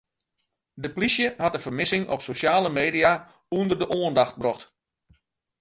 De polysje hat de fermissing op sosjale media ûnder de oandacht brocht.